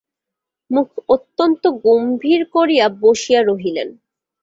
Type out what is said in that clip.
মুখ অত্যন্ত গম্ভীর করিয়া বসিয়া রহিলেন।